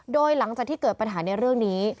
โดยหลังจากที่เกิดปัญหาในเรื่องนี้